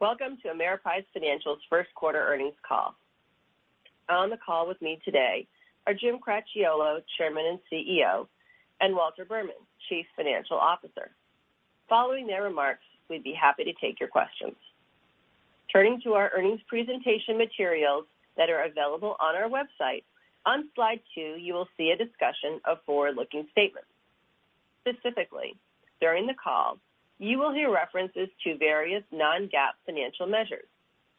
Welcome to Ameriprise Financial's first quarter earnings call. On the call with me today are Jim Cracchiolo, Chairman and CEO, and Walter Berman, Chief Financial Officer. Following their remarks, we'd be happy to take your questions. Turning to our earnings presentation materials that are available on our website, on slide two, you will see a discussion of forward-looking statements. Specifically, during the call, you will hear references to various non-GAAP financial measures,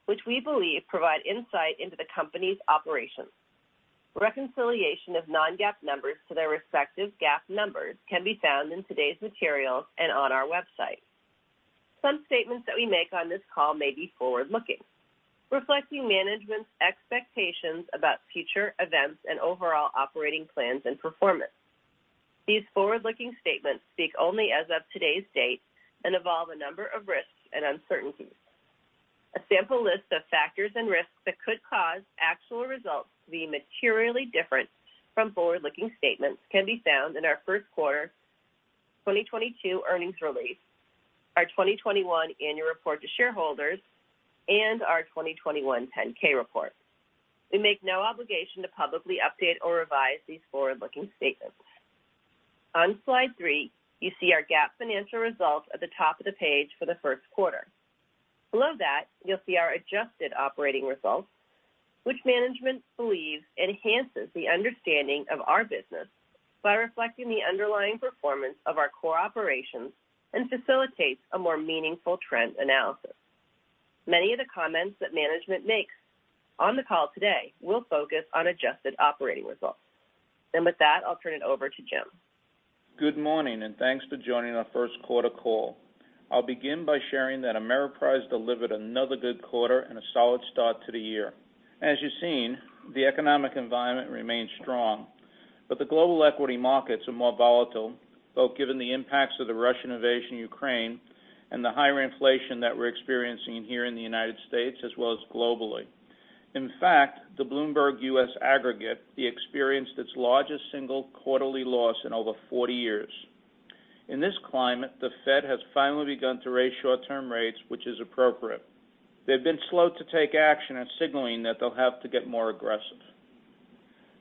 which we believe provide insight into the company's operations. Reconciliation of non-GAAP numbers to their respective GAAP numbers can be found in today's materials and on our website. Some statements that we make on this call may be forward-looking, reflecting management's expectations about future events and overall operating plans and performance. These forward-looking statements speak only as of today's date and involve a number of risks and uncertainties. A sample list of factors and risks that could cause actual results to be materially different from forward-looking statements can be found in our first quarter 2022 earnings release, our 2021 annual report to shareholders, and our 2021 10-K report. We make no obligation to publicly update or revise these forward-looking statements. On slide three, you see our GAAP financial results at the top of the page for the first quarter. Below that, you'll see our adjusted operating results, which management believes enhances the understanding of our business by reflecting the underlying performance of our core operations and facilitates a more meaningful trend analysis. Many of the comments that management makes on the call today will focus on adjusted operating results. With that, I'll turn it over to Jim. Good morning, and thanks for joining our first quarter call. I'll begin by sharing that Ameriprise delivered another good quarter and a solid start to the year. As you've seen, the economic environment remains strong, but the global equity markets are more volatile, both given the impacts of the Russian invasion in Ukraine and the higher inflation that we're experiencing here in the United States as well as globally. In fact, the Bloomberg U.S. Aggregate experienced its largest single quarterly loss in over 40 years. In this climate, the Fed has finally begun to raise short-term rates, which is appropriate. They've been slow to take action and signaling that they'll have to get more aggressive.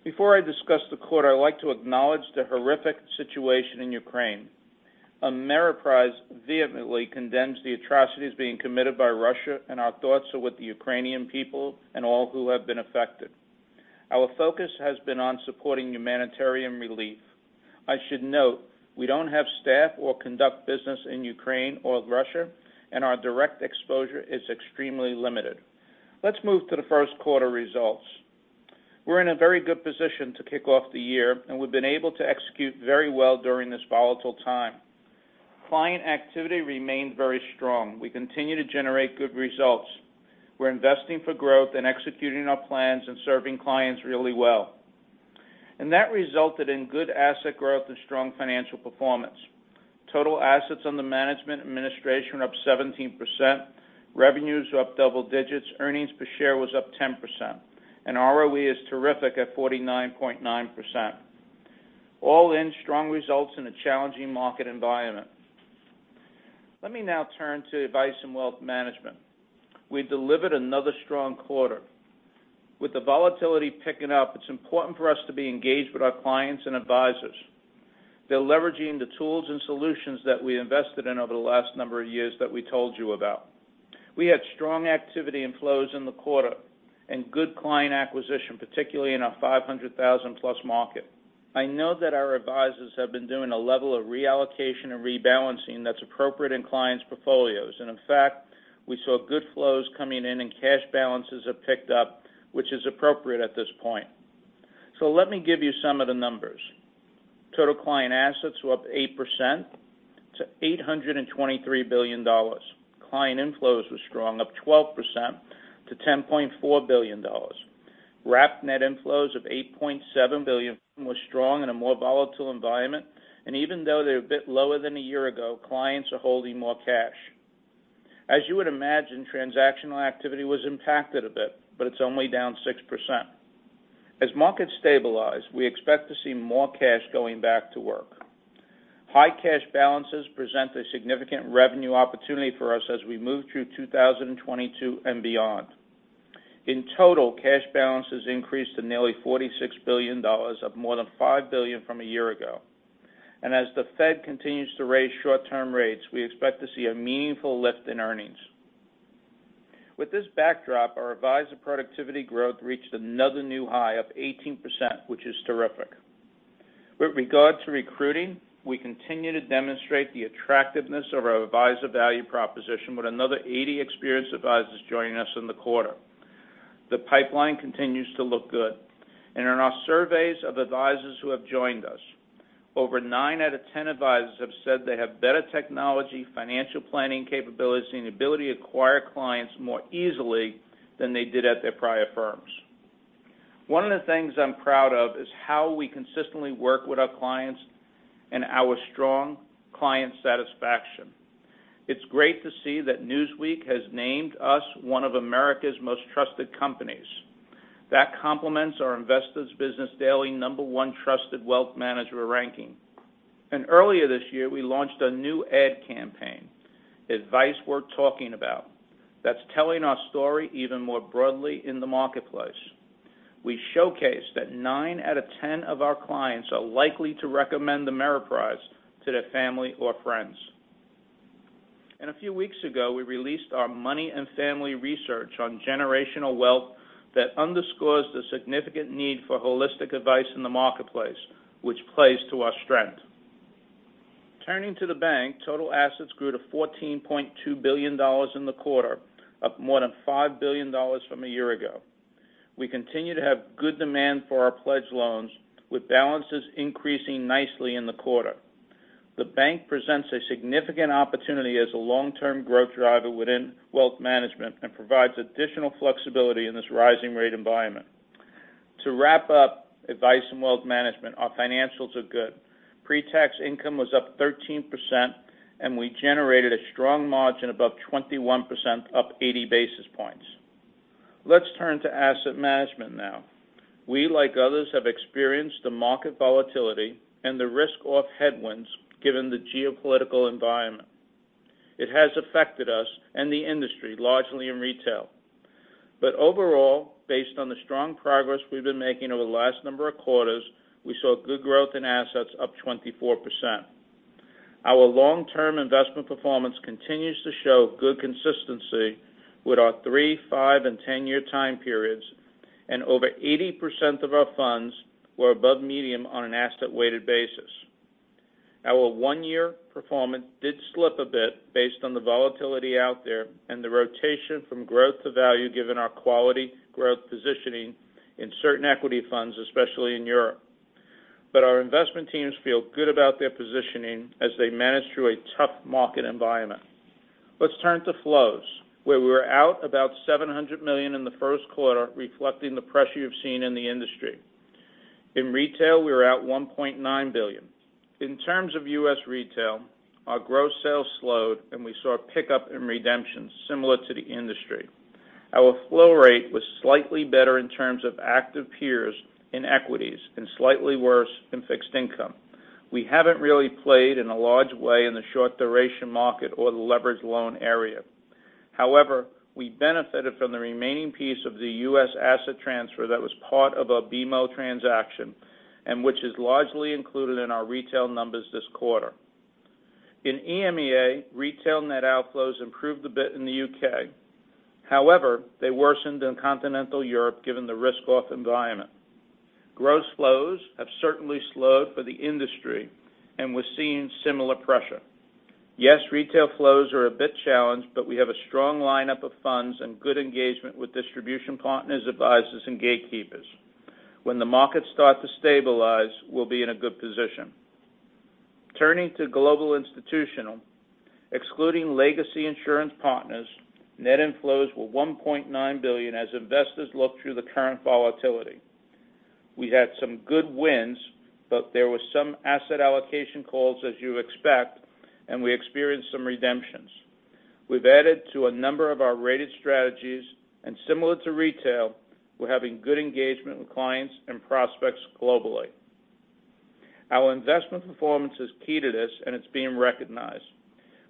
Before I discuss the quarter, I'd like to acknowledge the horrific situation in Ukraine. Ameriprise vehemently condemns the atrocities being committed by Russia, and our thoughts are with the Ukrainian people and all who have been affected. Our focus has been on supporting humanitarian relief. I should note, we don't have staff or conduct business in Ukraine or Russia, and our direct exposure is extremely limited. Let's move to the first quarter results. We're in a very good position to kick off the year, and we've been able to execute very well during this volatile time. Client activity remained very strong. We continue to generate good results. We're investing for growth and executing our plans and serving clients really well. That resulted in good asset growth and strong financial performance. Total assets under management and administration were up 17%, revenues were up double digits, earnings per share was up 10%, and ROE is terrific at 49.9%. All in strong results in a challenging market environment. Let me now turn to advice and wealth management. We delivered another strong quarter. With the volatility picking up, it's important for us to be engaged with our clients and advisors. They're leveraging the tools and solutions that we invested in over the last number of yearscthat we told you about. We had strong asset inflows in the quarter and good client acquisition, particularly in our 500,000+ market. I know that our advisors have been doing a level of reallocation and rebalancing that's appropriate in clients' portfolios. In fact, we saw good flows coming in and cash balances have picked up, which is appropriate at this point. Let me give you some of the numbers. Total client assets were up 8% to $823 billion. Client inflows were strong, up 12% to $10.4 billion. Wrapped net inflows of $8.7 billion was strong in a more volatile environment. Even though they're a bit lower than a year ago, clients are holding more cash. As you would imagine, transactional activity was impacted a bit, but it's only down 6%. As markets stabilize, we expect to see more cash going back to work. High cash balances present a significant revenue opportunity for us as we move through 2022 and beyond. In total, cash balances increased to nearly $46 billion up more than $5 billion from a year ago. As the Fed continues to raise short-term rates, we expect to see a meaningful lift in earnings. With this backdrop, our advisor productivity growth reached another new high of 18%, which is terrific. With regard to recruiting, we continue to demonstrate the attractiveness of our advisor value proposition with another 80 experienced advisors joining us in the quarter. The pipeline continues to look good. In our surveys of advisors who have joined us, over nine out of 10 advisors have said they have better technology, financial planning capabilities, and ability to acquire clients more easily than they did at their prior firms. One of the things I'm proud of is how we consistently work with our clients and our strong client satisfaction. It's great to see that Newsweek has named us one of America's most trusted companies. That complements our Investor's Business Daily number one trusted wealth manager ranking. Earlier this year, we launched a new ad campaign, Advice Worth Talking About, that's telling our story even more broadly in the marketplace. We showcase that nine out of 10 of our clients are likely to recommend Ameriprise to their family or friends. A few weeks ago, we released our Money and Family research on generational wealth that underscores the significant need for holistic advice in the marketplace, which plays to our strength. Turning to the bank, total assets grew to $14.2 billion in the quarter, up more than $5 billion from a year ago. We continue to have good demand for our pledge loans, with balances increasing nicely in the quarter. The bank presents a significant opportunity as a long-term growth driver within wealth management and provides additional flexibility in this rising rate environment. To wrap up advice and wealth management, our financials are good. Pre-tax income was up 13%, and we generated a strong margin above 21%, up 80 basis points. Let's turn to asset management now. We, like others, have experienced the market volatility and the risk-off headwinds given the geopolitical environment. It has affected us and the industry largely in retail. Overall, based on the strong progress we've been making over the last number of quarters, we saw good growth in assets up 24%. Our long-term investment performance continues to show good consistency with our three-, five-, and 10-year time periods, and over 80% of our funds were above medium on an asset-weighted basis. Our one-year performance did slip a bit based on the volatility out there and the rotation from growth to value given our quality growth positioning in certain equity funds, especially in Europe. Our investment teams feel good about their positioning as they manage through a tough market environment. Let's turn to flows, where we were out about $700 million in the first quarter, reflecting the pressure you've seen in the industry. In retail, we were out $1.9 billion. In terms of U.S. retail, our gross sales slowed, and we saw a pickup in redemptions similar to the industry. Our flow rate was slightly better in terms of active peers in equities and slightly worse in fixed income. We haven't really played in a large way in the short-duration market or the leveraged loan area. However, we benefited from the remaining piece of the U.S. asset transfer that was part of our BMO transaction and which is largely included in our retail numbers this quarter. In EMEA, retail net outflows improved a bit in the U.K.. However, they worsened in continental Europe given the risk-off environment. Gross flows have certainly slowed for the industry, and we're seeing similar pressure. Yes, retail flows are a bit challenged, but we have a strong lineup of funds and good engagement with distribution partners, advisors, and gatekeepers. When the markets start to stabilize, we'll be in a good position. Turning to global institutional, excluding legacy insurance partners, net inflows were $1.9 billion as investors look through the current volatility. We had some good wins, but there were some asset allocation calls as you expect, and we experienced some redemptions. We've added to a number of our rated strategies, and similar to retail, we're having good engagement with clients and prospects globally. Our investment performance is key to this, and it's being recognized.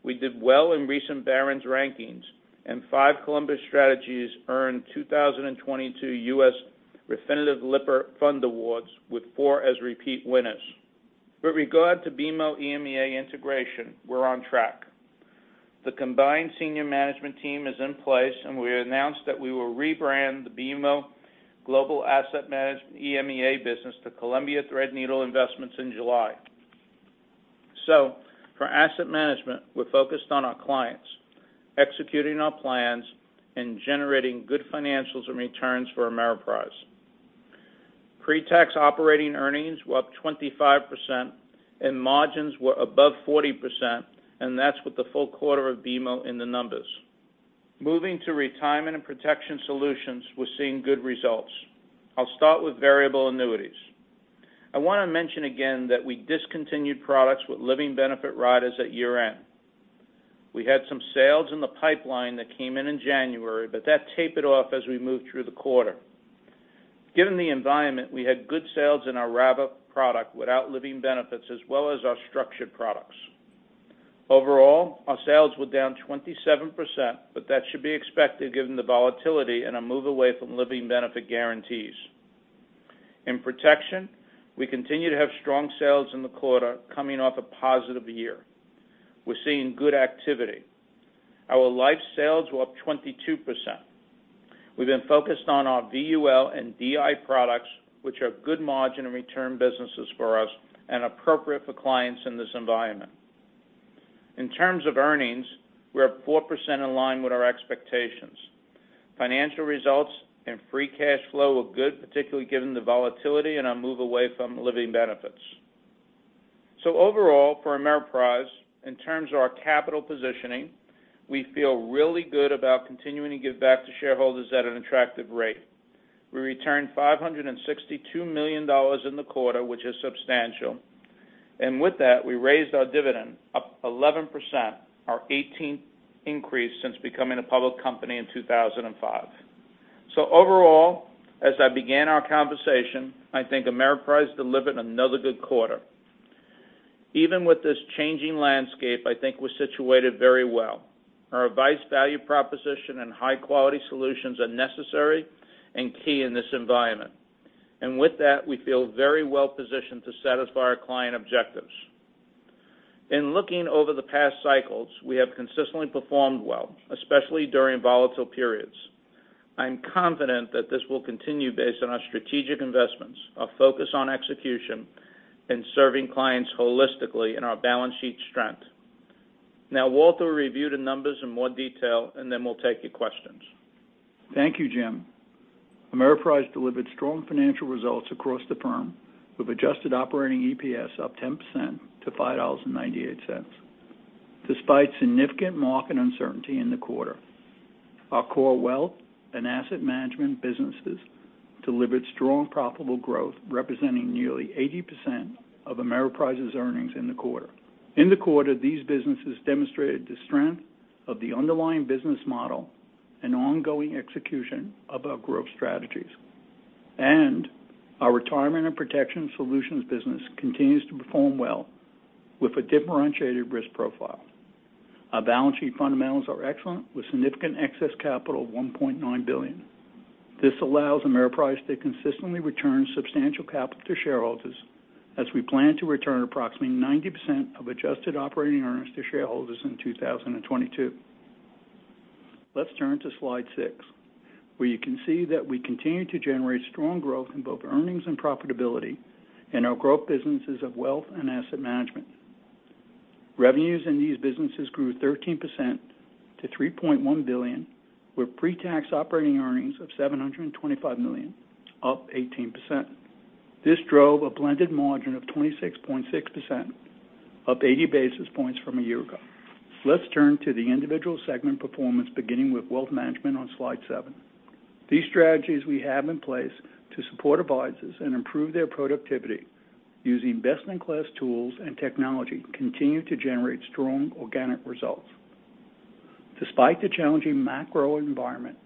We did well in recent Barron's rankings, and five Columbia strategies earned 2022 U.S. Refinitiv Lipper Fund Awards, with four as repeat winners. With regard to BMO EMEA integration, we're on track. The combined senior management team is in place, and we announced that we will rebrand the BMO Global Asset Management EMEA business to Columbia Threadneedle Investments in July. For asset management, we're focused on our clients, executing our plans, and generating good financials and returns for Ameriprise. Pre-tax operating earnings were up 25%, and margins were above 40%, and that's with the full quarter of BMO in the numbers. Moving to Retirement and Protection Solutions, we're seeing good results. I'll start with variable annuities. I want to mention again that we discontinued products with living benefit riders at year-end. We had some sales in the pipeline that came in in January, but that tapered off as we moved through the quarter. Given the environment, we had good sales in our RAVA product without living benefits as well as our structured products. Overall, our sales were down 27%, but that should be expected given the volatility and a move away from living benefit guarantees. In protection, we continue to have strong sales in the quarter coming off a positive year. We're seeing good activity. Our life sales were up 22%. We've been focused on our VUL and DI products, which are good margin and return businesses for us and appropriate for clients in this environment. In terms of earnings, we're 4% in line with our expectations. Financial results and free cash flow were good, particularly given the volatility and our move away from living benefits. Overall, for Ameriprise, in terms of our capital positioning, we feel really good about continuing to give back to shareholders at an attractive rate. We returned $562 million in the quarter, which is substantial. With that, we raised our dividend up 11%, our 18th increase since becoming a public company in 2005. Overall, as I began our conversation, I think Ameriprise delivered another good quarter. Even with this changing landscape, I think we're situated very well. Our advice value proposition and high quality solutions are necessary and key in this environment. With that, we feel very well positioned to satisfy our client objectives. In looking over the past cycles, we have consistently performed well, especially during volatile periods. I'm confident that this will continue based on our strategic investments, our focus on execution, and serving clients holistically and our balance sheet strength. Walter will review the numbers in more detail, and then we'll take your questions. Thank you, Jim. Ameriprise delivered strong financial results across the firm with adjusted operating EPS up 10% to $5.98. Despite significant market uncertainty in the quarter, our core wealth and asset management businesses delivered strong profitable growth, representing nearly 80% of Ameriprise's earnings in the quarter. In the quarter, these businesses demonstrated the strength of the underlying business model and ongoing execution of our growth strategies. Our retirement and protection solutions business continues to perform well with a differentiated risk profile. Our balance sheet fundamentals are excellent, with significant excess capital of $1.9 billion. This allows Ameriprise to consistently return substantial capital to shareholders as we plan to return approximately 90% of adjusted operating earnings to shareholders in 2022. Let's turn to slide six, where you can see that we continue to generate strong growth in both earnings and profitability in our growth businesses of wealth and asset management. Revenues in these businesses grew 13% to $3.1 billion, with pre-tax operating earnings of $725 million, up 18%. This drove a blended margin of 26.6%, up 80 basis points from a year ago. Let's turn to the individual segment performance, beginning with wealth management on slide seven. These strategies we have in place to support advisors and improve their productivity using best-in-class tools and technology continue to generate strong organic results. Despite the challenging macro environment,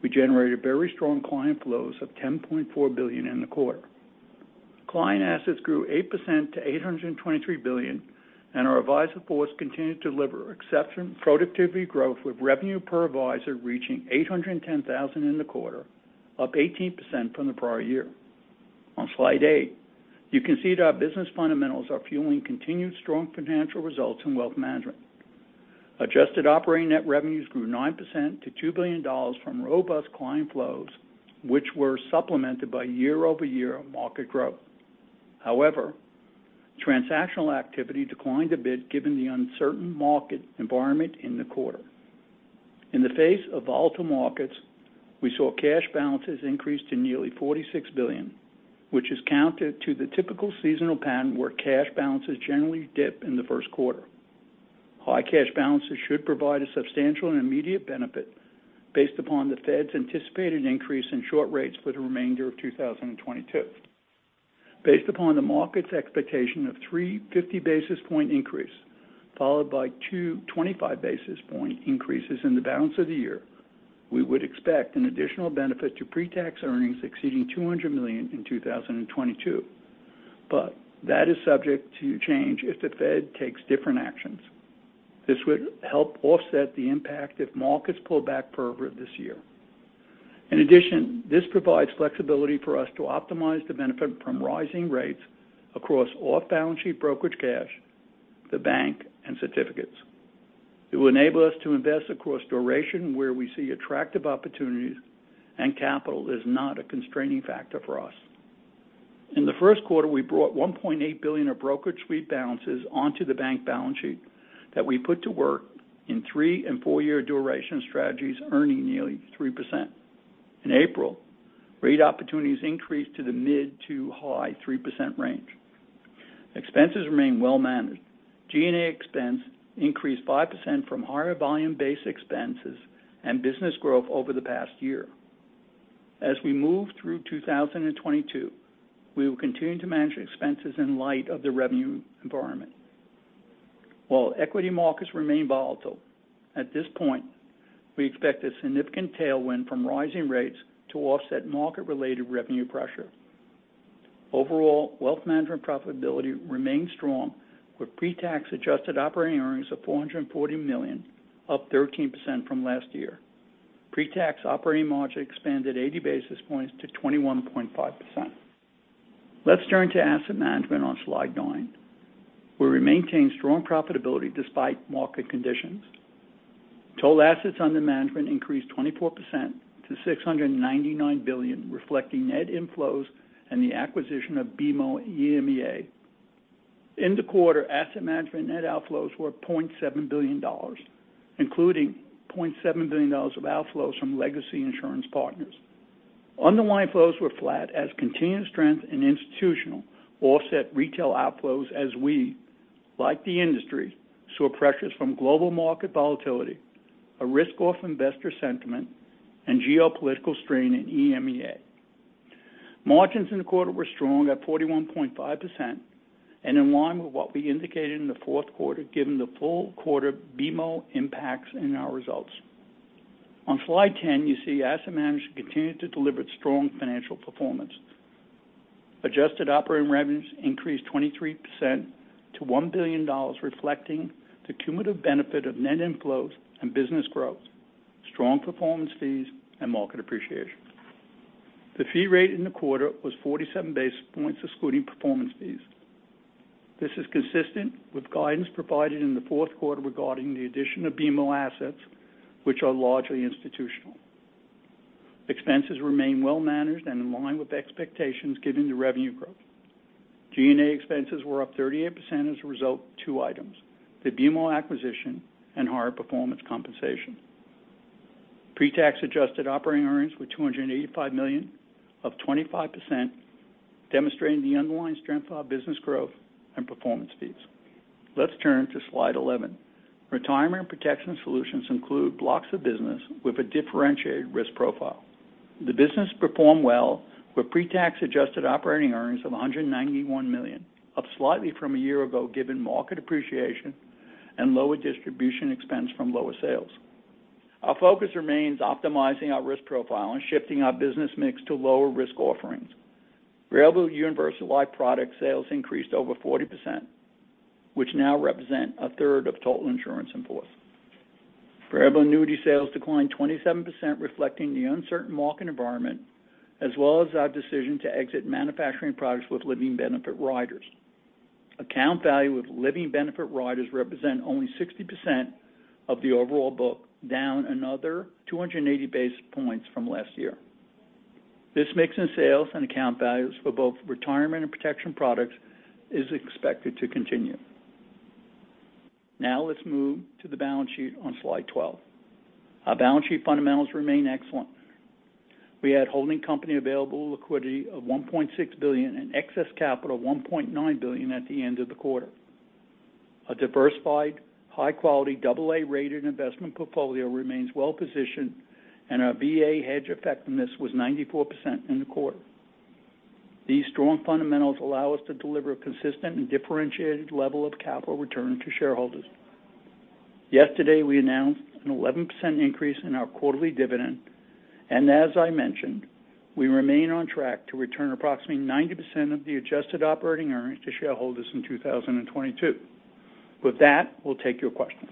we generated very strong client flows of $10.4 billion in the quarter. Client assets grew 8% to $823 billion, and our advisor force continued to deliver exceptional productivity growth, with revenue per advisor reaching $810,000 in the quarter, up 18% from the prior year. On slide eight, you can see that our business fundamentals are fueling continued strong financial results in wealth management. Adjusted operating net revenues grew 9% to $2 billion from robust client flows, which were supplemented by year-over-year market growth. However, transactional activity declined a bit given the uncertain market environment in the quarter. In the face of volatile markets, we saw cash balances increase to nearly $46 billion, which is counter to the typical seasonal pattern where cash balances generally dip in the first quarter. High cash balances should provide a substantial and immediate benefit based upon the Fed's anticipated increase in short rates for the remainder of 2022. Based upon the market's expectation of 350 basis point increase followed by two 25 basis point increases in the balance of the year, we would expect an additional benefit to pre-tax earnings exceeding $200 million in 2022. That is subject to change if the Fed takes different actions. This would help offset the impact if markets pull back further this year. In addition, this provides flexibility for us to optimize the benefit from rising rates across off-balance sheet brokerage cash, the bank, and certificates. It will enable us to invest across duration where we see attractive opportunities and capital is not a constraining factor for us. In the first quarter, we brought $1.8 billion of brokerage sweep balances onto the bank balance sheet that we put to work in three and four-year duration strategies, earning nearly 3%. In April, rate opportunities increased to the mid- to high 3% length. Expenses remain well managed. G&A expense increased 5% from higher volume-based expenses and business growth over the past year. As we move through 2022, we will continue to manage expenses in light of the revenue environment. While equity markets remain volatile, at this point, we expect a significant tailwind from rising rates to offset market-related revenue pressure. Overall, wealth management profitability remains strong, with pre-tax adjusted operating earnings of $440 million, up 13% from last year. Pre-tax operating margin expanded 80 basis points to 21.5%. Let's turn to asset management on slide nine, where we maintain strong profitability despite market conditions. Total assets under management increased 24% to $699 billion, reflecting net inflows and the acquisition of BMO EMEA. In the quarter, asset management net outflows were $0.7 billion, including $0.7 billion of outflows from legacy insurance partners. Underlying flows were flat as continued strength in institutional offset retail outflows as we, like the industry, saw pressures from global market volatility, risk-off investor sentiment and geopolitical strain in EMEA. Margins in the quarter were strong at 41.5% and in line with what we indicated in the fourth quarter, given the full quarter BMO impacts in our results. On slide ten, you see asset management continued to deliver strong financial performance. Adjusted operating revenues increased 23% to $1 billion, reflecting the cumulative benefit of net inflows and business growth, strong performance fees and market appreciation. The fee rate in the quarter was 47 basis points excluding performance fees. This is consistent with guidance provided in the fourth quarter regarding the addition of BMO assets, which are largely institutional. Expenses remain well managed and in line with expectations given the revenue growth. G&A expenses were up 38% as a result of two items, the BMO acquisition and higher performance compensation. Pre-tax adjusted operating earnings were $285 million or 25%, demonstrating the underlying strength of our business growth and performance fees. Let's turn to slide 11. Retirement protection solutions include blocks of business with a differentiated risk profile. The business performed well with pre-tax adjusted operating earnings of $191 million, up slightly from a year ago, given market appreciation and lower distribution expense from lower sales. Our focus remains optimizing our risk profile and shifting our business mix to lower risk offerings. Variable Universal Life product sales increased over 40%, which now represent a third of total insurance in force. Variable annuity sales declined 27%, reflecting the uncertain market environment as well as our decision to exit manufacturing products with living benefit riders. Account value of living benefit riders represent only 60% of the overall book, down another 280 basis points from last year. This mix in sales and account values for both retirement and protection products is expected to continue. Now let's move to the balance sheet on slide 12. Our balance sheet fundamentals remain excellent. We had holding company available liquidity of $1.6 billion and excess capital $1.9 billion at the end of the quarter. A diversified high quality AA-rated investment portfolio remains well positioned and our VA hedge effectiveness was 94% in the quarter. These strong fundamentals allow us to deliver a consistent and differentiated level of capital return to shareholders. Yesterday, we announced an 11% increase in our quarterly dividend, and as I mentioned, we remain on track to return approximately 90% of the adjusted operating earnings to shareholders in 2022. With that, we'll take your questions.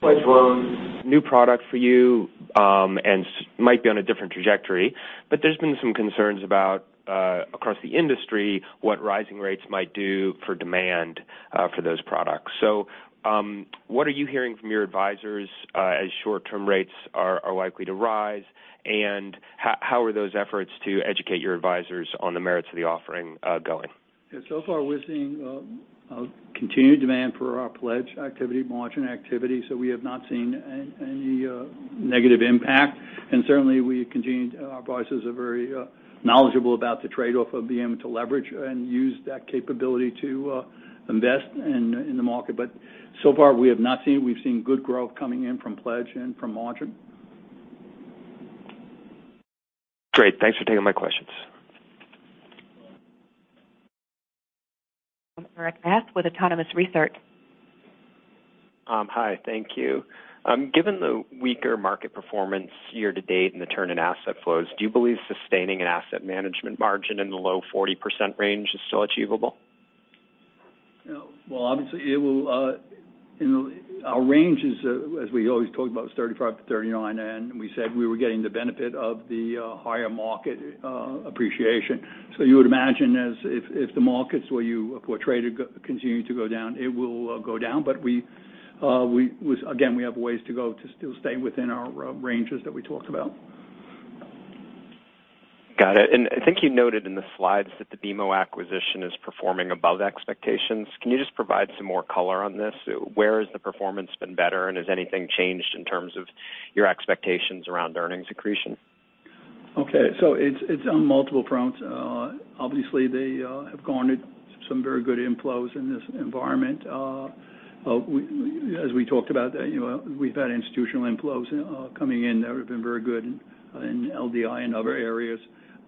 Pledge loans, new product for you, and might be on a different trajectory, but there's been some concerns about across the industry what rising rates might do for demand for those products. What are you hearing from your advisors as short-term rates are likely to rise? How are those efforts to educate your advisors on the merits of the offering going? Yeah. So far we're seeing continued demand for our pledge activity, margin activity. We have not seen any negative impact. Certainly our advisors are very knowledgeable about the trade-off of being able to leverage and use that capability to invest in the market. So far we have not seen. We've seen good growth coming in from pledge and from margin. Great. Thanks for taking my questions. Erik Bass with Autonomous Research. Hi. Thank you. Given the weaker market performance year to date and the turn in asset flows, do you believe sustaining an asset management margin in the low 40% range is still achievable? Well, obviously it will, you know, our range is, as we always talk about, 35-39, and we said we were getting the benefit of the higher market appreciation. You would imagine as if the markets as you portrayed continue to go down, it will go down. We again have a ways to go to still stay within our ranges that we talked about. Got it. I think you noted in the slides that the BMO acquisition is performing above expectations. Can you just provide some more color on this? Where has the performance been better, and has anything changed in terms of your expectations around earnings accretion? Okay. It's on multiple fronts. Obviously they have garnered some very good inflows in this environment. As we talked about, you know, we've had institutional inflows coming in that have been very good in LDI and other areas.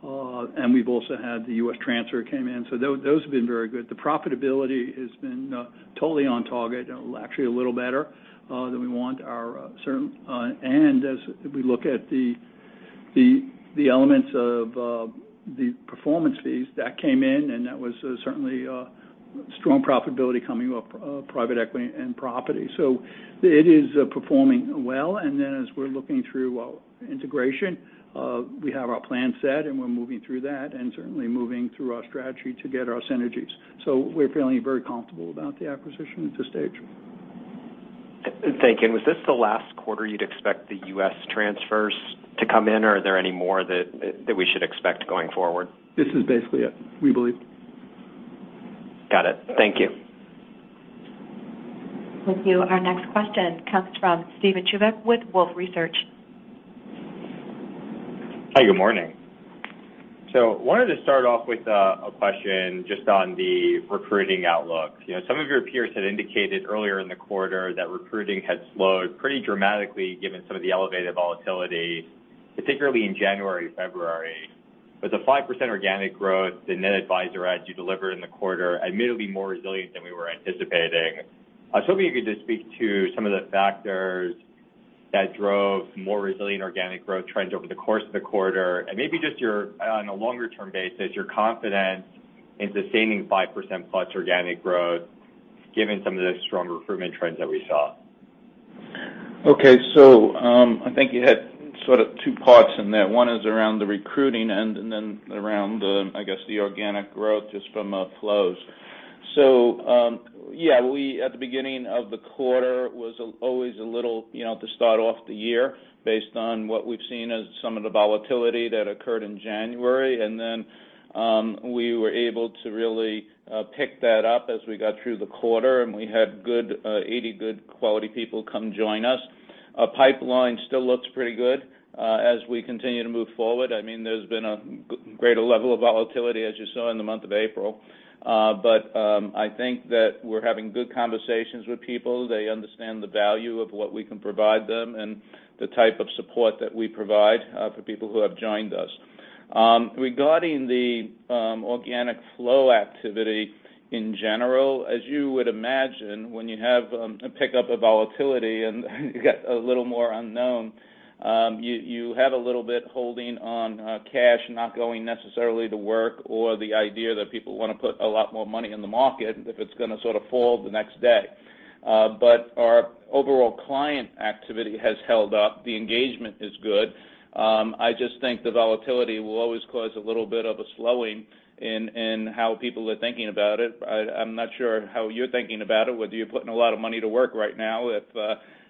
We've also had the U.S. transfer came in. So those have been very good. The profitability has been totally on target, actually a little better than we want our certain. As we look at the elements of the performance fees that came in, and that was certainly a strong profitability coming off private equity and property. It is performing well. As we're looking through our integration, we have our plan set and we're moving through that and certainly moving through our strategy to get our synergies. We're feeling very comfortable about the acquisition at this stage. Thank you. Was this the last quarter you'd expect the U.S. transfers to come in, or are there any more that we should expect going forward? This is basically it, we believe. Got it. Thank you. Thank you. Our next question comes from Steven Chubak with Wolfe Research. Hi, good morning. Wanted to start off with a question just on the recruiting outlook. You know, some of your peers had indicated earlier in the quarter that recruiting had slowed pretty dramatically given some of the elevated volatility, particularly in January, February. The 5% organic growth, the net advisor adds you delivered in the quarter admittedly more resilient than we were anticipating. I was hoping you could just speak to some of the factors that drove more resilient organic growth trends over the course of the quarter, and maybe just your, on a longer term basis, your confidence in sustaining 5%+ organic growth given some of the strong recruitment trends that we saw. I think you had sort of two parts in there. One is around the recruiting end and then around the, I guess, the organic growth just from flows. We at the beginning of the quarter was always a little, you know, to start off the year based on what we've seen as some of the volatility that occurred in January. We were able to really pick that up as we got through the quarter, and we had good 80 good quality people come join us. Our pipeline still looks pretty good as we continue to move forward. I mean, there's been a greater level of volatility as you saw in the month of April. I think that we're having good conversations with people. They understand the value of what we can provide them and the type of support that we provide for people who have joined us. Regarding the organic flow activity in general, as you would imagine, when you have a pickup of volatility and you get a little more unknown, you have a little bit holding on cash not going necessarily to work or the idea that people wanna put a lot more money in the market if it's gonna sort of fall the next day. But our overall client activity has held up. The engagement is good. I just think the volatility will always cause a little bit of a slowing in how people are thinking about it. I'm not sure how you're thinking about it, whether you're putting a lot of money to work right now if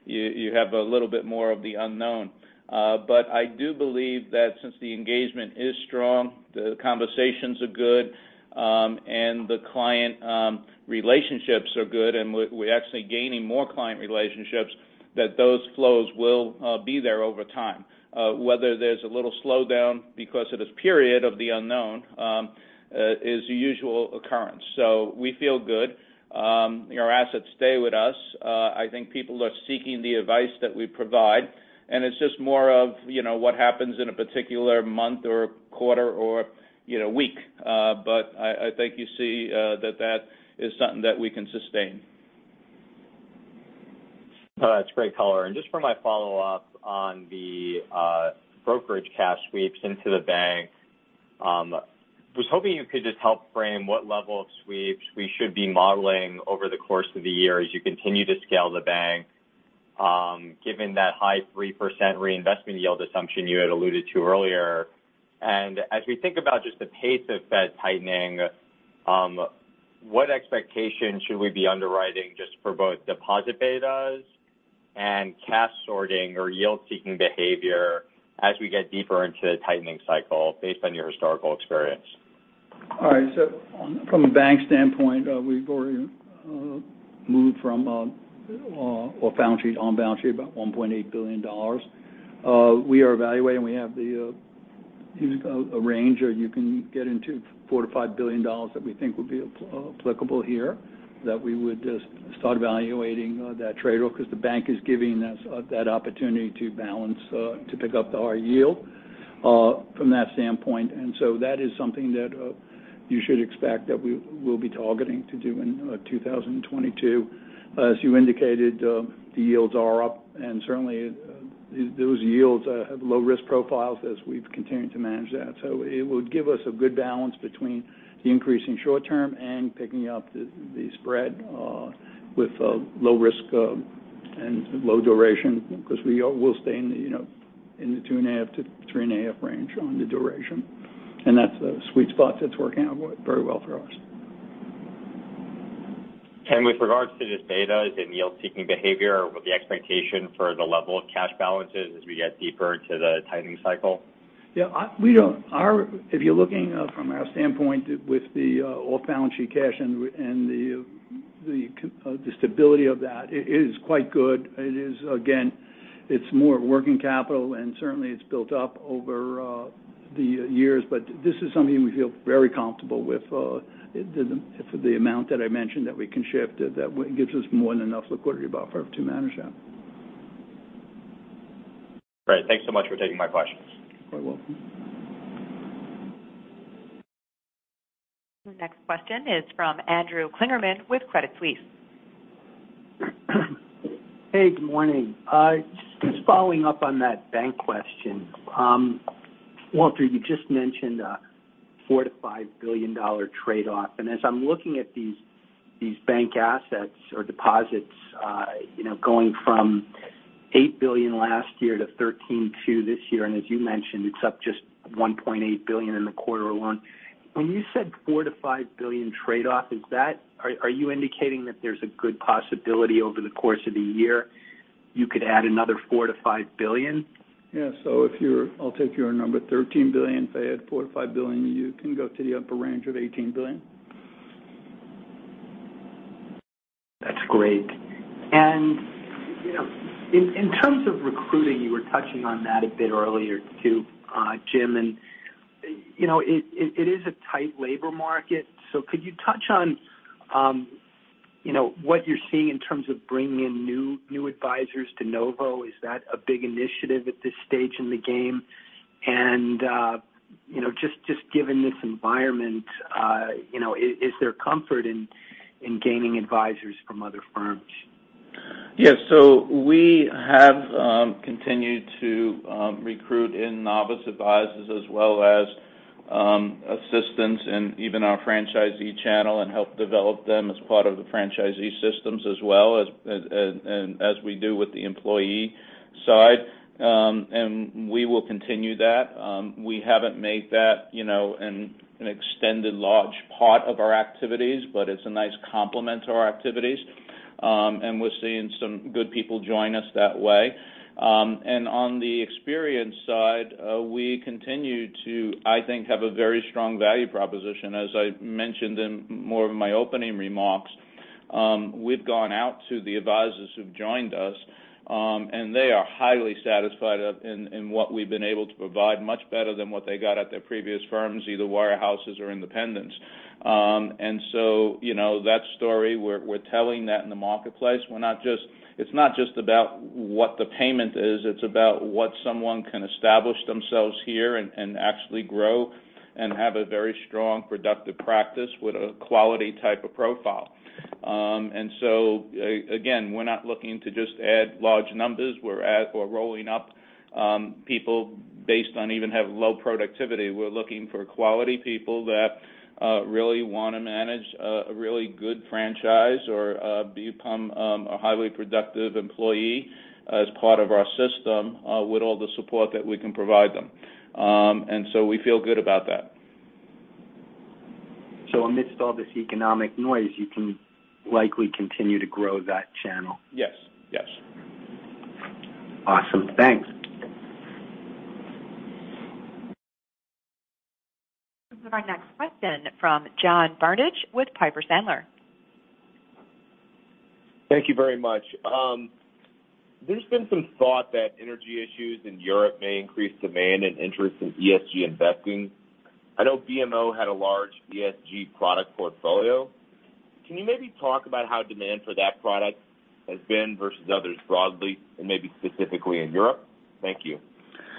you have a little bit more of the unknown. But I do believe that since the engagement is strong, the conversations are good, and the client relationships are good, and we're actually gaining more client relationships, that those flows will be there over time. Whether there's a little slowdown because of this period of the unknown is a usual occurrence. We feel good. Our assets stay with us. I think people are seeking the advice that we provide, and it's just more of, you know, what happens in a particular month or quarter or, you know, week. I think you see that that is something that we can sustain. No, that's great color. Just for my follow-up on the brokerage cash sweeps into the bank, was hoping you could just help frame what level of sweeps we should be modeling over the course of the year as you continue to scale the bank, given that high 3% reinvestment yield assumption you had alluded to earlier. As we think about just the pace of Fed tightening, what expectations should we be underwriting just for both deposit betas and cash sorting or yield-seeking behavior as we get deeper into the tightening cycle based on your historical experience? All right. From a bank standpyint, we've already moved from off-balance sheet to on-balance sheet about $1.8 billion. We are evaluating. We have, you know, a range where you can get into $4 billion-$5 billion that we think would be applicable here, that we would just start evaluating that trade-off because the bank is giving us that opportunity to balance to pick up our yield from that standpoint. That is something that you should expect that we will be targeting to do in 2022. As you indicated, the yields are up, and certainly those yields have low risk profiles as we've continued to manage that. It would give us a good balance between the increase in short term and picking up the spread with low risk and low duration because we'll stay in the, you know, in the 2.5-3.5 range on the duration. That's a sweet spot that's working out very well for us. With regards to just betas and yield-seeking behavior, what is the expectation for the level of cash balances as we get deeper into the tightening cycle? Yeah, if you're looking from our standpoint with the off-balance sheet cash and the stability of that, it is quite good. It is, again, it's more working capital, and certainly it's built up over the years. This is something we feel very comfortable with. The amount that I mentioned that we can shift gives us more than enough liquidity buffer to manage that. Great. Thanks so much for taking my questions. You're quite welcome. The next question is from Andrew Kligerman with Credit Suisse. Hey, good morning. Just following up on that bank question. Walter, you just mentioned a $4 billion-$5 billion-dollar trade-off. As I'm looking at these bank assets or deposits, going from $8 billion last year to $13.2 billion this year, and as you mentioned, it's up just $1.8 billion in the quarter alone. When you said $4 billion-$5 billion trade-off, are you indicating that there's a good possibility over the course of the year you could add another $4 billion-$5 billion? I'll take your number, $13 billion, if I add $4 billion-$5 billion, you can go to the upper range of $18 billion. That's great. You know, in terms of recruiting, you were touching on that a bit earlier too, Jim. You know, it is a tight labor market. Could you touch on, you know, what you're seeing in terms of bringing in new advisors to de novo? Is that a big initiative at this stage in the game? You know, just given this environment, you know, is there comfort in gaining advisors from other firms? Yes. We have continued to recruit novice advisors as well as assistants in even our franchisee channel and help develop them as part of the franchisee systems as well as we do with the employee side. We will continue that. We haven't made that, you know, an extended large part of our activities, but it's a nice complement to our activities. We're seeing some good people join us that way. On the experience side, we continue to, I think, have a very strong value proposition. As I mentioned in more of my opening remarks, we've gone out to the advisors who've joined us, and they are highly satisfied in what we've been able to provide, much better than what they got at their previous firms, either warehouses or independents. You know, that story, we're telling that in the marketplace. It's not just about what the payment is, it's about what someone can establish themselves here and actually grow and have a very strong, productive practice with a quality type of profile. Again, we're not looking to just add large numbers. We're rolling up people based on even having low productivity. We're looking for quality people that really wanna manage a really good franchise or become a highly productive employee as part of our system with all the support that we can provide them. We feel good about that. Amidst all this economic noise, you can likely continue to grow that channel? Yes. Yes. Awesome. Thanks. Our next question from John Barnidge with Piper Sandler. Thank you very much. There's been some thought that energy issues in Europe may increase demand and interest in ESG investing. I know BMO had a large ESG product portfolio. Can you maybe talk about how demand for that product has been versus others broadly and maybe specifically in Europe? Thank you.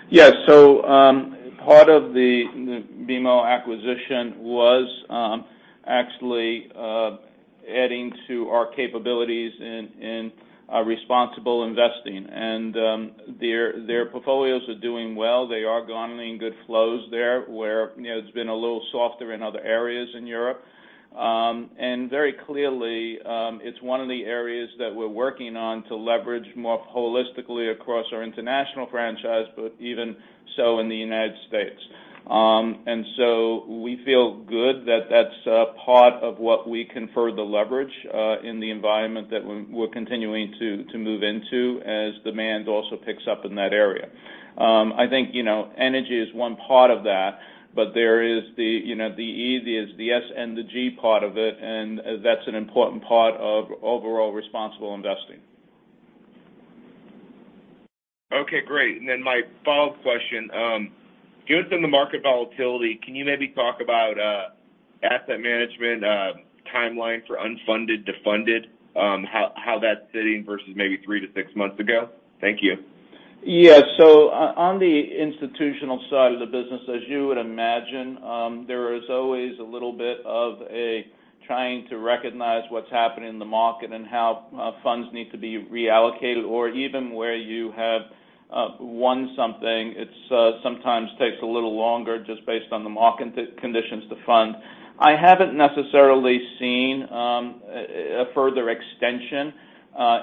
Yes. Part of the BMO acquisition was actually adding to our capabilities in responsible investing. Their portfolios are doing well. They are garnering good flows there, where, you know, it's been a little softer in other areas in Europe. Very clearly, it's one of the areas that we're working on to leverage more holistically across our international franchise, but even so in the United States. We feel good that that's part of what we confer the leverage in the environment that we're continuing to move into as demand also picks up in that area. I think, you know, energy is one part of that, but there is the, you know, the E, there's the S and the G part of it, and that's an important part of overall responsible investing. Okay, great. My follow-up question. Given some of the market volatility, can you maybe talk about asset management timeline for unfunded to funded, how that's sitting versus maybe three to six months ago? Thank you. Yes. On the institutional side of the business, as you would imagine, there is always a little bit of a trying to recognize what's happening in the market and how funds need to be reallocated or even where you have won something. It sometimes takes a little longer just based on the market conditions to fund. I haven't necessarily seen a further extension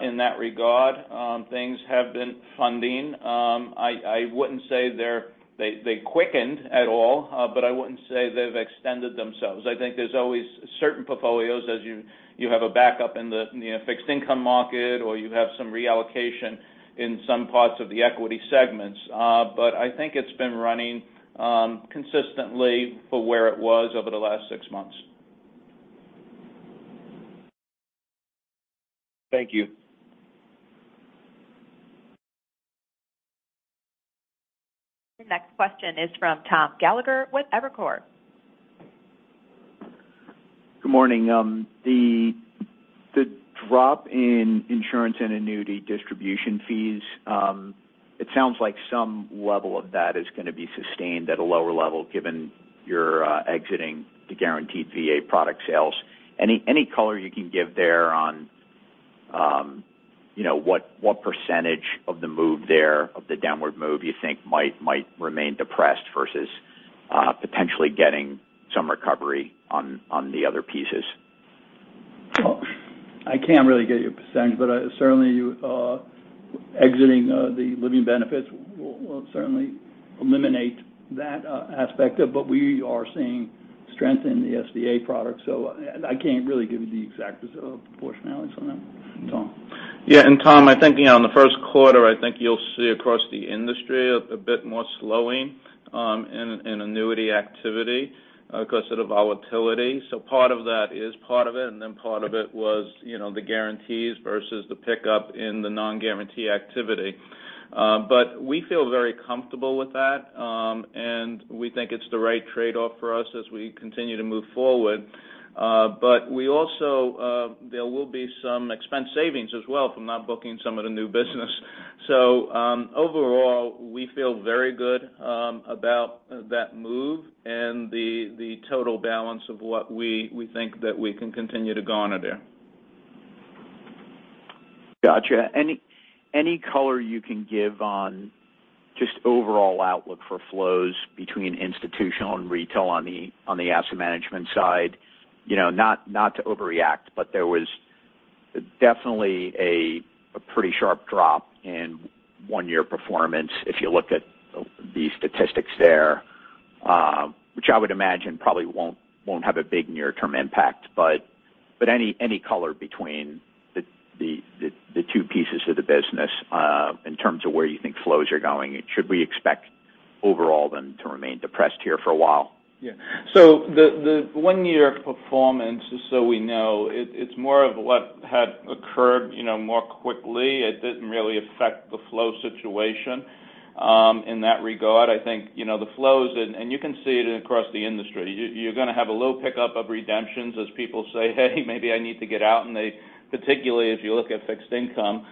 in that regard. Things have been funding. I wouldn't say they quickened at all, but I wouldn't say they've extended themselves. I think there's always certain portfolios as you have a backup in the fixed income market, or you have some reallocation in some parts of the equity segments. I think it's been running consistently for where it was over the last six months. Thank you. Your next question is from Tom Gallagher with Evercore. Good morning. The drop in insurance and annuity distribution fees, it sounds like some level of that is gonna be sustained at a lower level given you're exiting the guaranteed VA product sales. Any color you can give there on, you know, what percentage of the move there, of the downward move you think might remain depressed versus potentially getting some recovery on the other pieces? I can't really give you a percentage, but certainly exiting the living benefits will certainly eliminate that aspect. We are seeing strength in the SVA product, so I can't really give you the exact proportionalities on that, Tom. Yeah. Tom, I think, you know, in the first quarter, I think you'll see across the industry a bit more slowing in annuity activity 'cause of the volatility. So part of that is part of it, and then part of it was, you know, the guarantees versus the pickup in the non-guarantee activity. But we feel very comfortable with that, and we think it's the right trade-off for us as we continue to move forward. But we also, there will be some expense savings as well from not booking some of the new business. So, overall, we feel very good about that move and the total balance of what we think that we can continue to garner there. Gotcha. Any color you can give on just overall outlook for flows between institutional and retail on the asset management side? You know, not to overreact, but there was definitely a pretty sharp drop in one-year performance if you look at the statistics there. Which I would imagine probably won't have a big near-term impact. But any color between the two pieces of the business in terms of where you think flows are going. Should we expect overall then to remain depressed here for a while? The one-year performance, just so we know, it's more of what had occurred, you know, more quickly. It didn't really affect the flow situation in that regard. I think, you know, the flows and you can see it across the industry. You're gonna have a little pickup of redemptions as people say, "Hey, maybe I need to get out." Particularly if you look at fixed income,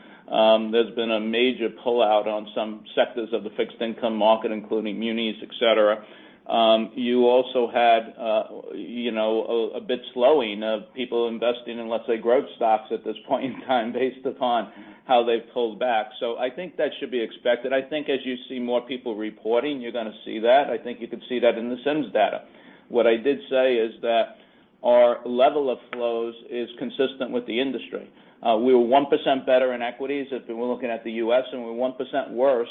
there's been a major pullout on some sectors of the fixed income market, including munis, et cetera. You also had, you know, a bit slowing of people investing in, let's say, growth stocks at this point in time based upon how they've pulled back. I think that should be expected. I think as you see more people reporting, you're gonna see that. I think you can see that in the Simfund data. What I did say is that our level of flows is consistent with the industry. We were 1% better in equities if we're looking at the U.S., and we're 1% worse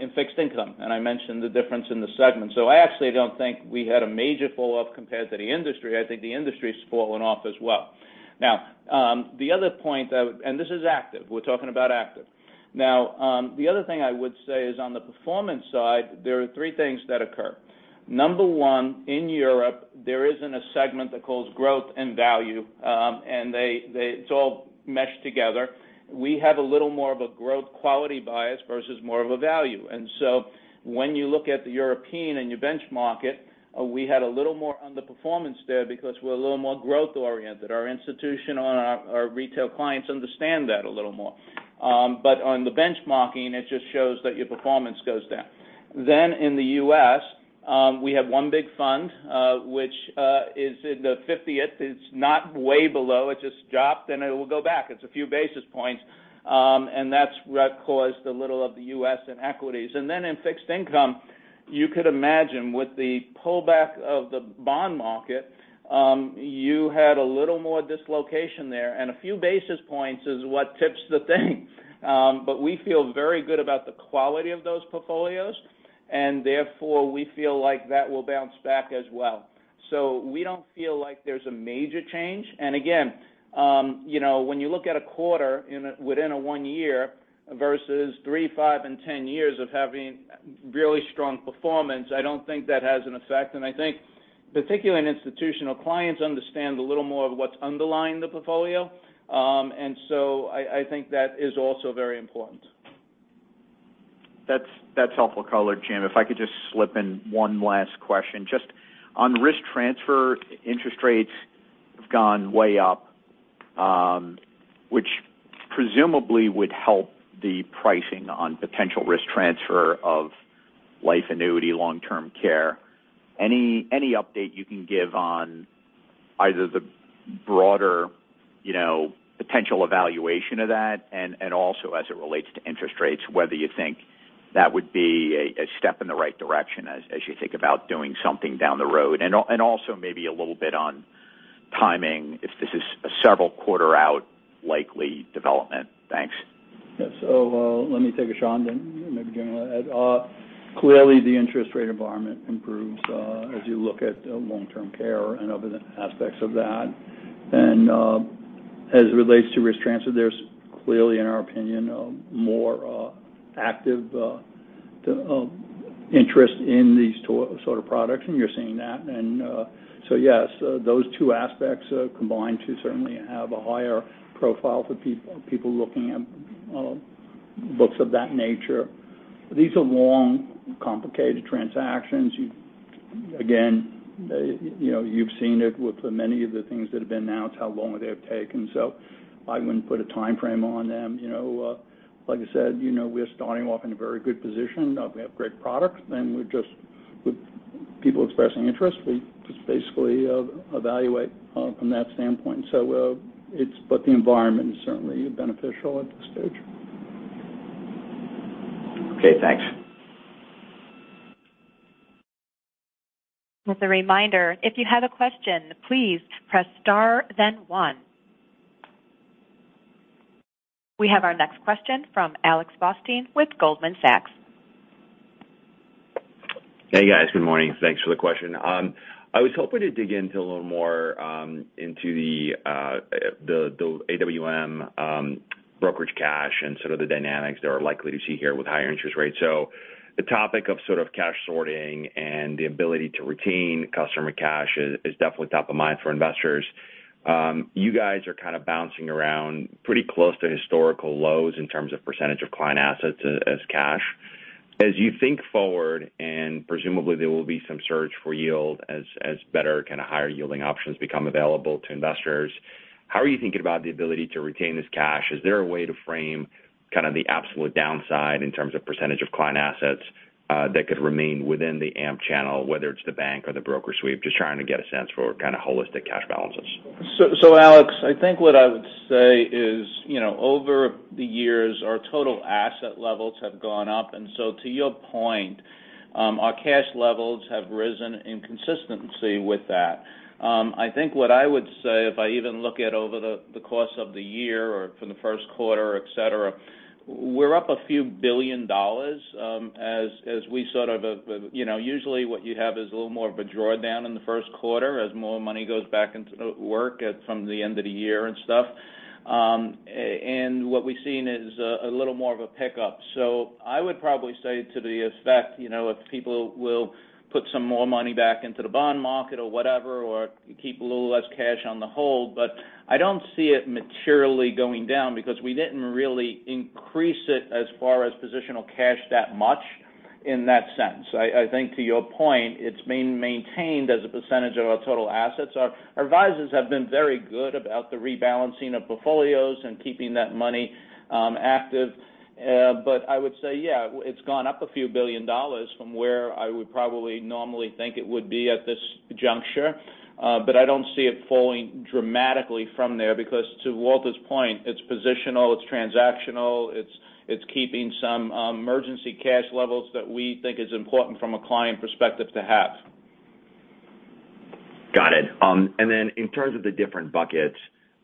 in fixed income, and I mentioned the difference in the segment. I actually don't think we had a major falloff compared to the industry. I think the industry's fallen off as well. Now, this is active. We're talking about active. Now, the other thing I would say is on the performance side, there are three things that occur. Number one, in Europe, there isn't a segment that calls growth and value, and it's all meshed together. We have a little more of a growth quality bias versus more of a value. When you look at the European and you benchmark it, we had a little more underperformance there because we're a little more growth-oriented. Our institutional and our retail clients understand that a little more. But on the benchmarking, it just shows that your performance goes down. In the U.S., we have one big fund, which is in the 50th. It's not way below. It just dropped, and it will go back. It's a few basis points. That's what caused a little of the U.S. in equities. In fixed income, you could imagine with the pullback of the bond market, you had a little more dislocation there, and a few basis points is what tips the thing. We feel very good about the quality of those portfolios, and therefore, we feel like that will bounce back as well. We don't feel like there's a major change. Again, you know, when you look at a quarter within a one year versus three, five, and 10 years of having really strong performance, I don't think that has an effect. I think particularly in institutional, clients understand a little more of what's underlying the portfolio. I think that is also very important. That's helpful color, Jim. If I could just slip in one last question. Just on risk transfer, interest rates have gone way up, which presumably would help the pricing on potential risk transfer of life annuity long-term care. Any update you can give on either the broader potential evaluation of that and also as it relates to interest rates, whether you think that would be a step in the right direction as you think about doing something down the road? Also maybe a little bit on timing, if this is a several quarter out likely development. Thanks. Let me take a shot and then maybe Jim will add. Clearly, the interest rate environment improves, as you look at long-term care and other aspects of that. As it relates to risk transfer, there's clearly, in our opinion, a more active interest in these sort of products, and you're seeing that. Yes, those two aspects combined to certainly have a higher profile for people looking at books of that nature. These are long, complicated transactions. Again, you know, you've seen it with many of the things that have been announced, how long they have taken, so I wouldn't put a timeframe on them. You know, like I said, you know, we're starting off in a very good position. We have great products, and with people expressing interest, we just basically evaluate from that standpoint. The environment is certainly beneficial at this stage. Okay, thanks. With a reminder, if you have a question, please press star then one. We have our next question from Alex Blostein with Goldman Sachs. Hey guys, good morning. Thanks for the question. I was hoping to dig into a little more, into the AWM brokerage cash and sort of the dynamics that are likely to see here with higher interest rates. The topic of sort of cash sorting and the ability to retain customer cash is definitely top of mind for investors. You guys are kind of bouncing around pretty close to historical lows in terms of percentage of client assets as cash. As you think forward, and presumably there will be some search for yield as better kind of higher-yielding options become available to investors, how are you thinking about the ability to retain this cash? Is there a way to frame kind of the absolute downside in terms of percentage of client assets that could remain within the AMP channel, whether it's the bank or the broker sweep? Just trying to get a sense for kind of holistic cash balances. Alex Blostein, I think what I would say is, you know, over the years, our total asset levels have gone up. To your point, our cash levels have risen consistently with that. I think what I would say, if I even look at over the course of the year or from the first quarter, et cetera, we're up a few billion dollars, as we sort of, you know, usually what you have is a little more of a drawdown in the first quarter as more money goes back into work from the end of the year and stuff. What we've seen is a little more of a pickup. I would probably say to the effect, you know, if people will put some more money back into the bond market or whatever, or keep a little less cash on the hold. I don't see it materially going down because we didn't really increase it as far as positional cash that much in that sense. I think to your point, it's been maintained as a percentage of our total assets. Our advisors have been very good about the rebalancing of portfolios and keeping that money active. I would say, yeah, it's gone up a few billion dollars from where I would probably normally think it would be at this juncture. I don't see it falling dramatically from there because to Walter's point, it's positional, it's transactional, it's keeping some emergency cash levels that we think is important from a client perspective to have. Got it. And then in terms of the different buckets,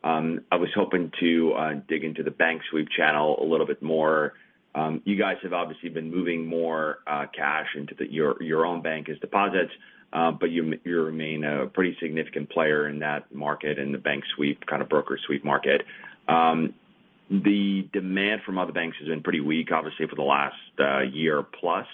I was hoping to dig into the bank sweep channel a little bit more. You guys have obviously been moving more cash into your own bank as deposits, but you remain a pretty significant player in that market, in the bank sweep, kind of broker sweep market. The demand from other banks has been pretty weak, obviously, for the last year plus.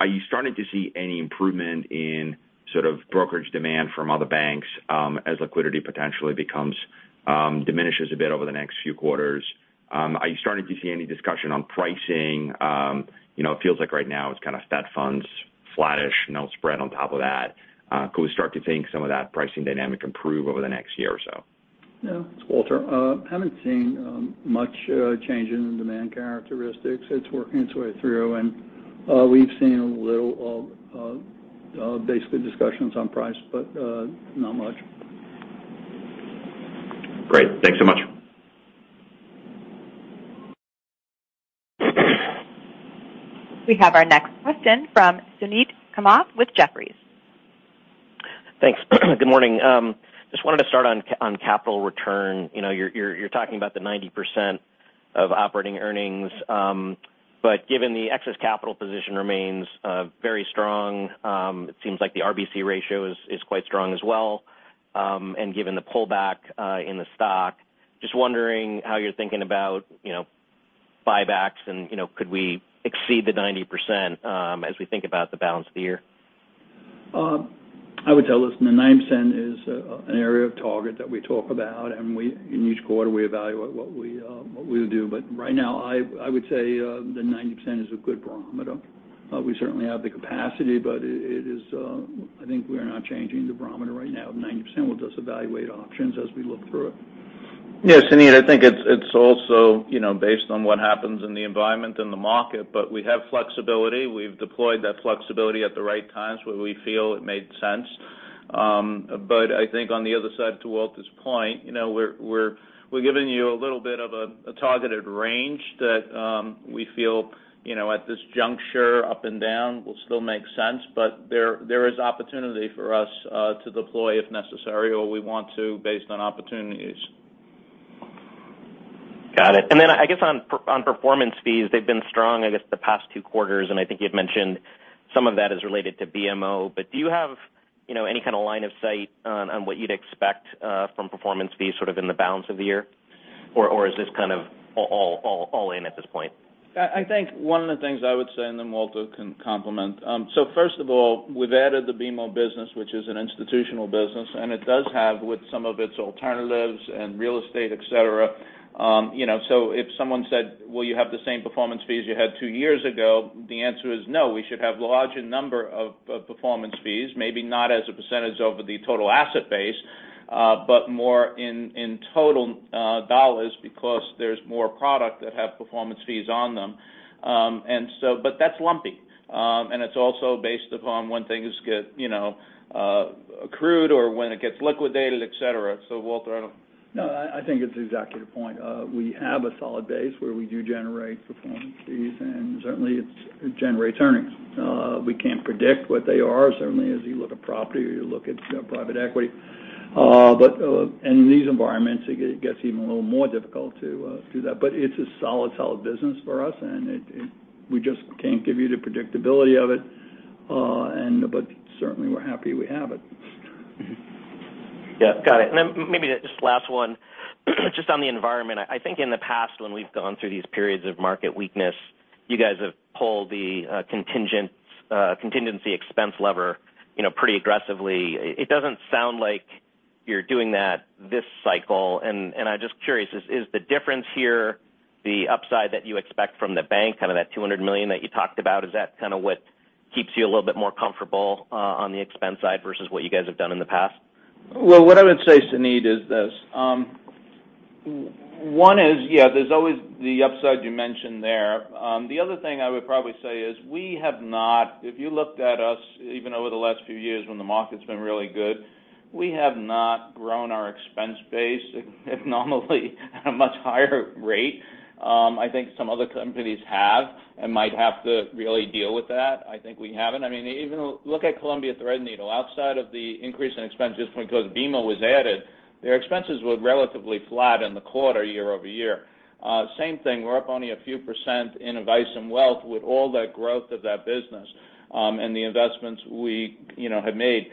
Are you starting to see any improvement in sort of brokerage demand from other banks, as liquidity potentially diminishes a bit over the next few quarters? Are you starting to see any discussion on pricing? You know, it feels like right now it's kind of Fed funds, flattish, no spread on top of that. Can we start to think some of that pricing dynamic improve over the next year or so? Yeah. It's Walter. Haven't seen much change in demand characteristics. It's working its way through and we've seen a little of basically discussions on price, but not much. Great. Thanks so much. We have our next question from Suneet Kamath with Jefferies. Thanks. Good morning. Just wanted to start on capital return. You know, you're talking about the 90% of operating earnings, but given the excess capital position remains very strong, it seems like the RBC ratio is quite strong as well. Given the pullback in the stock, just wondering how you're thinking about, you know, buybacks and, you know, could we exceed the 90%, as we think about the balance of the year? Listen, the 90% is a target area that we talk about, and in each quarter, we evaluate what we'll do. Right now, I would say the 90% is a good barometer. We certainly have the capacity, but it is, I think, we're not changing the barometer right now. 90%, we'll just evaluate options as we look through it. Yeah, Suneet, I think it's also, you know, based on what happens in the environment and the market, but we have flexibility. We've deployed that flexibility at the right times where we feel it made sense. I think on the other side, to Walter's point, you know, we're giving you a little bit of a targeted range that we feel, you know, at this juncture, up and down will still make sense. There is opportunity for us to deploy if necessary, or we want to based on opportunities. Got it. I guess on performance fees, they've been strong, I guess, the past two quarters, and I think you'd mentioned some of that is related to BMO. Do you have, you know, any kind of line of sight on what you'd expect from performance fees sort of in the balance of the year? Is this kind of all in at this point? I think one of the things I would say, and then Walter can comment. So first of all, we've added the BMO business, which is an institutional business, and it does have some of its alternatives and real estate, et cetera. You know, so if someone said, "Will you have the same performance fees you had two years ago?" The answer is no. We should have larger number of performance fees, maybe not as a percentage over the total asset base, but more in total dollars because there's more product that have performance fees on them. And so but that's lumpy. And it's also based upon when things get, you know, accrued or when it gets liquidated, et cetera. Walter. No, I think it's exactly the point. We have a solid base where we do generate performance fees, and certainly it generates earnings. We can't predict what they are, certainly as you look at property or you look at private equity, and in these environments, it gets even a little more difficult to do that. It's a solid business for us, and we just can't give you the predictability of it, and certainly we're happy we have it. Yeah. Got it. Maybe just last one, just on the environment. I think in the past when we've gone through these periods of market weakness, you guys have pulled the contingency expense lever, you know, pretty aggressively. It doesn't sound like you're doing that this cycle. I'm just curious, is the difference here the upside that you expect from the bank, kind of that $200 million that you talked about? Is that kind of what keeps you a little bit more comfortable on the expense side versus what you guys have done in the past? Well, what I would say, Suneet, is this, one is, yeah, there's always the upside you mentioned there. The other thing I would probably say is if you looked at us even over the last few years when the market's been really good, we have not grown our expense base abnormally at a much higher rate. I think some other companies have and might have to really deal with that. I think we haven't. I mean, even look at Columbia Threadneedle. Outside of the increase in expenses when BMO was added, their expenses were relatively flat in the quarter year-over-year. Same thing, we're up only a few percent in Advice and Wealth with all that growth of that business, and the investments we, you know, have made.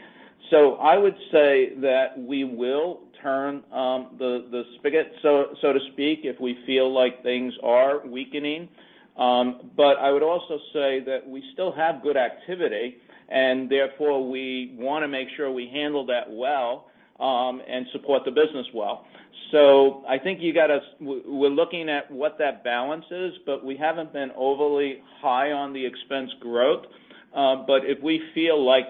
I would say that we will turn the spigot, so to speak, if we feel like things are weakening. I would also say that we still have good activity and therefore we wanna make sure we handle that well and support the business well. I think we're looking at what that balance is, but we haven't been overly high on the expense growth. If we feel like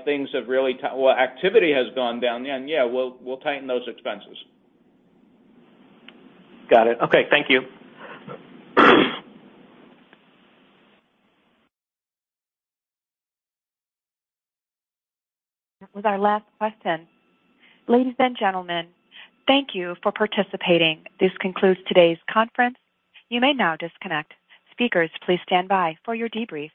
activity has gone down, then yeah, we'll tighten those expenses. Got it. Okay. Thank you. That was our last question. Ladies and gentlemen, thank you for participating. This concludes today's conference. You may now disconnect. Speakers, please stand by for your debrief.